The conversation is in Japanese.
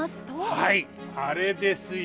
はいあれですよ。